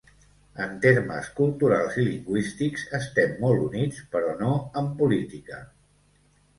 En termes culturals i lingüístics estem molt units, però no en política.